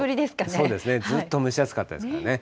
そうですね、ずっと蒸し暑かったですからね。